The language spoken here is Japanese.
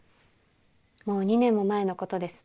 もう２年も前のことです。